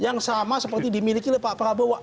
yang sama seperti dimiliki oleh pak prabowo